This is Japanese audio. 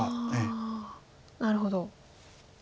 なるほど。